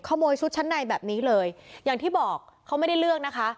ชุดชั้นในแบบนี้เลยอย่างที่บอกเขาไม่ได้เลือกนะคะ